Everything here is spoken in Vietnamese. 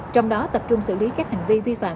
trong đó tập trung xử lý các hành vi vi phạm